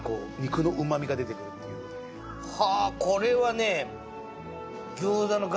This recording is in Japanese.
はぁこれはね。